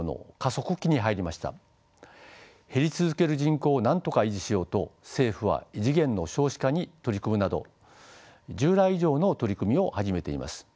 減り続ける人口をなんとか維持しようと政府は異次元の少子化に取り組むなど従来以上の取り組みを始めています。